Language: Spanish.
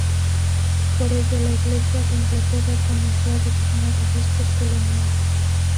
Por ello, la Iglesia de Inglaterra comenzó a designar obispos coloniales.